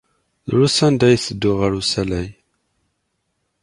Drus anda ay ttedduɣ ɣer usalay.